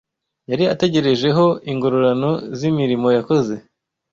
yari ategereje ho ingororano z’imirimo yakoze